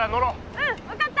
うん分かった。